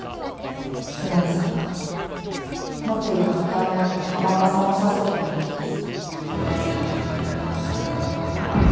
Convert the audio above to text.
江波さんが持っていたカッターナイフで浜岡さんを刺すことになる日です。